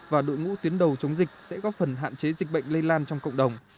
và đội ngũ tuyến đầu chống dịch sẽ góp phần hạn chế dịch bệnh lây lan trong cộng đồng